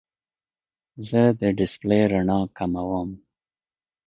زه د ډیسپلې رڼا کموم.